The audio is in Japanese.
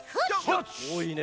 おいいね。